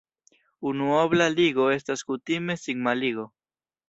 Unuobla ligo estas kutime sigma-ligo.